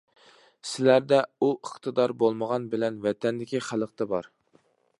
سىلەردە ئۇ ئىقتىدار بولمىغان بىلەن، ۋەتەندىكى خەلقتە بار.